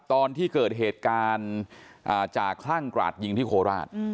ตอนที่เกิดเหตุการณ์จากคลั่งกราดยิงที่โคราช